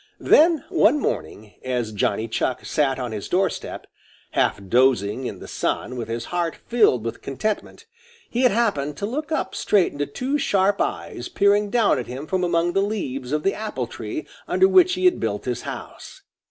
Then one morning, as Johnny Chuck sat on his door step, half dozing in the sun with his heart filled with contentment, he happened to look up straight into two sharp eyes peering down at him from among the leaves of the apple tree under which he had built his house.